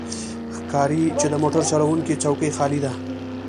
ښکاري چې د موټر چلوونکی څوکۍ خالي ده.